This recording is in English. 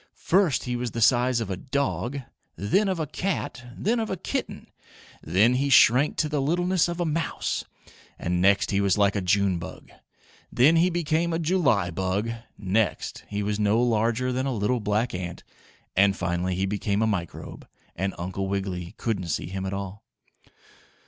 First he was the size of a dog, then of a cat, then of a kitten, then he shrank to the littleness of a mouse, and next he was like a June bug. Then he became a July bug, next he was no larger than a little black ant, and finally he became a microbe, and Uncle Wiggily couldn't see him at all.